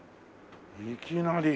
いきなり。